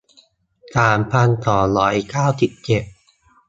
สามพันสองร้อยเก้าสิบเจ็ด